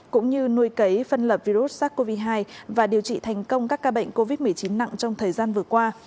cũng như nuôi cấy phân lập virus sars cov hai và điều trị thành công các ca bệnh covid một mươi chín nặng trong thời gian vừa qua